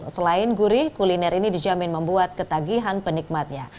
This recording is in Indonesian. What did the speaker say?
selain gurih kuliner ini dijamin membuat ketagihan penikmatnya